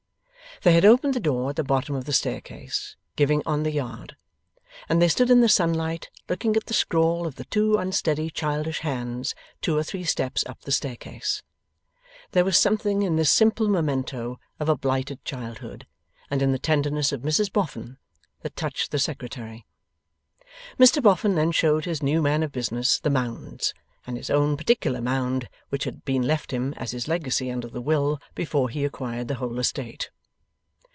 They had opened the door at the bottom of the staircase giving on the yard, and they stood in the sunlight, looking at the scrawl of the two unsteady childish hands two or three steps up the staircase. There was something in this simple memento of a blighted childhood, and in the tenderness of Mrs Boffin, that touched the Secretary. Mr Boffin then showed his new man of business the Mounds, and his own particular Mound which had been left him as his legacy under the will before he acquired the whole estate.